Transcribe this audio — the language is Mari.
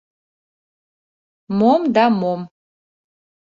Мом да мом?